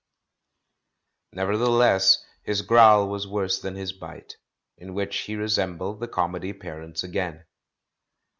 Nevertheless his growl was worse than his bite '— in which he resembled the comedy parents again.